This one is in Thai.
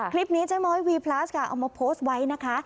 คลิปนี้เจ๊ม้อยวีพลัสค่ะเอามาโพสต์ไว้นะคะ